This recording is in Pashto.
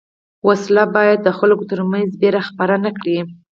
وسله باید د خلکو تر منځ وېره خپره نه کړي